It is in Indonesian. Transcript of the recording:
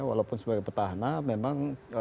walaupun sebagai petahana memang